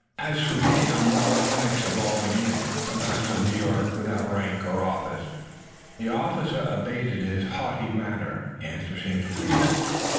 As for me, I am Robert Lennox, of Albany and sometimes of New York, without rank or office." The officer abated his haughty manner. The answer seemed to please him.